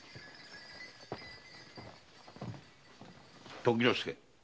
時之介